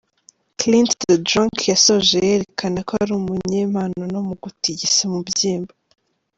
Klint Da Drunk yasoje yerekana ko ari umunyempano no mu gutigisa umubyimba.